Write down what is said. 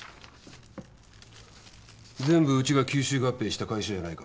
全部うちが吸収合併した会社じゃないか。